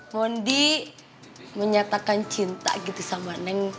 mondi menyatakan cinta gitu sama neng